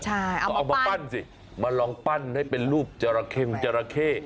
ใช่เอามาปั้นสิมาลองปั้นสิมาลองปั้นให้เป็นรูปเจราะเท่นเจราะเท่